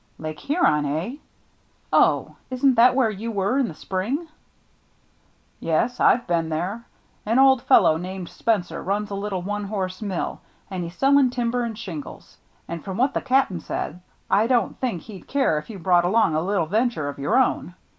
" Lake Huron, eh ? Oh — isn't that where you went in the spring ?" "Yes, I've been there. An old fellow named Spencer runs a little one horse mill, and he's selling timber and shingles. And from what the Cap'n said, I don't think he'd care if you brought along a little venture of your own.